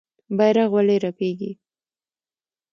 بیرغ ولې رپیږي؟